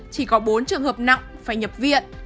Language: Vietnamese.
chỉ có bốn trường hợp nặng phải nhập viện